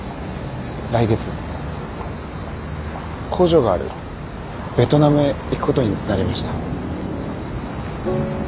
来月工場があるベトナムへ行くことになりました。